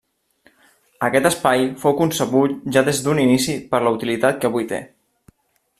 Aquest espai fou concebut ja des d'un inici per la utilitat que avui té.